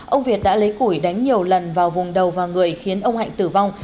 ông việt đã lấy củi đánh nhiều lần vào vùng đầu và người khiến ông hạnh tử vong